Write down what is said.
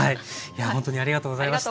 ほんとにありがとうございました。